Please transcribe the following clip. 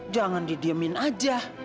jangan didiemin aja